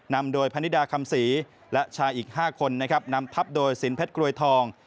นำโดยพนิดาคำศรีและชายอีก๕คนนะครับนำทับโดยสินเพชรกรวยทอง